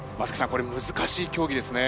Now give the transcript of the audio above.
これ難しい競技ですね。